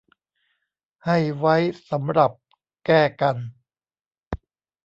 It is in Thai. ให้ไว้สำหรับแก้กัน